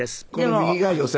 右が。